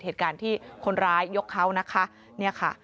เหตุการณ์ที่คนร้ายยกเขานะคะเนี่ยค่ะ